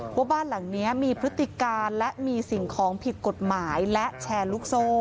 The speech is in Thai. ว่าบ้านหลังนี้มีพฤติการและมีสิ่งของผิดกฎหมายและแชร์ลูกโซ่